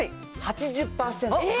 ８０％。